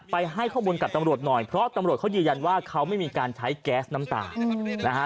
ให้ข้อมูลกับตำรวจหน่อยเพราะตำรวจเขายืนยันว่าเขาไม่มีการใช้แก๊สน้ำตานะฮะ